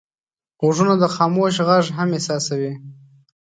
غوږونه د خاموش غږ هم احساسوي